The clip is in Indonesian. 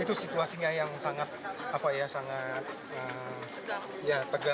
itu situasinya yang sangat tegang ya